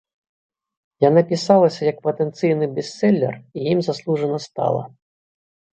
Яна пісалася як патэнцыйны бестселер і ім заслужана стала.